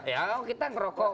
ya kita ngerokok